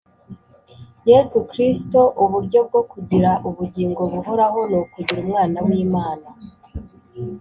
Yesu Kristo Uburyo bwo kugira ubugingo buhoraho ni ukugira Umwana w'Imana